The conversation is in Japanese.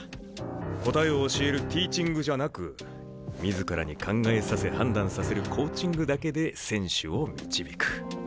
答えを教えるティーチングじゃなく自らに考えさせ判断させるコーチングだけで選手を導く。